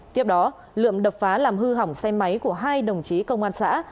tiếp đó lượm đập phá làm hư hỏng xe máy của hai đồng chí công an xã